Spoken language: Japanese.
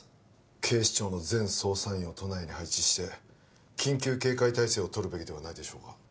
警視庁の全捜査員を都内に配置して緊急警戒態勢をとるべきではないでしょうか